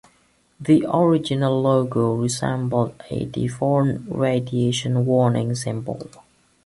The original logo resembled a deformed radiation warning symbol.